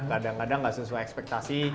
kadang kadang gak sesuai ekspektasi